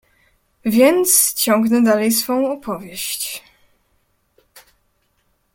"Więc, ciągnę dalej swą opowieść."